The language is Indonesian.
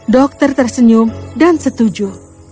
dokter tersenyum dan setuju